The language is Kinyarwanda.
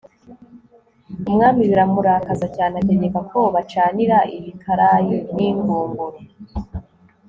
umwami biramurakaza cyane, ategeka ko bacanira ibikarayi n'ingunguru